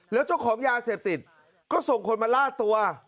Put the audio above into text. แล้วเจ้าของยาเสพติดก็ส่งคนมาล่าตัว